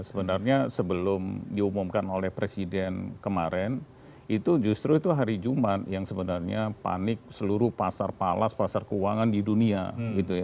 sebenarnya sebelum diumumkan oleh presiden kemarin itu justru itu hari jumat yang sebenarnya panik seluruh pasar palas pasar keuangan di dunia gitu ya